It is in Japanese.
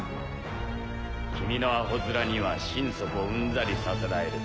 君のアホづらには心底ウンザリさせられる。